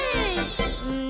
うん。